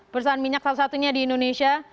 perusahaan minyak salah satunya di indonesia